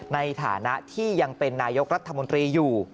ในฐานะที่ยังเป็นนายกรัฐมนตรีอยู่